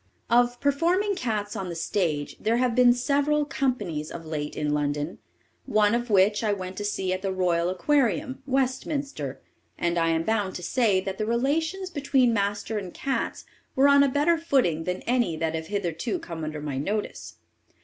Of performing cats on the stage, there have been several "companies" of late in London, one of which I went to see at the royal Aquarium, Westminster; and I am bound to say that the relations between master and cats were on a better footing than any that have hitherto come under my notice.